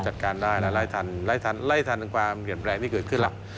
จัดการได้แล้วไล่ทันไล่ทันความเหงื่อแรงที่เกิดขึ้นแล้ว